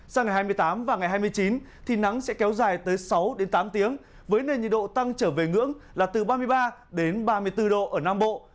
sang ngày hai mươi tám và ngày hai mươi chín thì nắng sẽ kéo dài tới sáu tám tiếng với nền nhiệt độ tăng trở về ngưỡng là từ ba mươi ba ba mươi bốn độ ở nam bộ